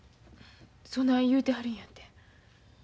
そない言うてはるんやて。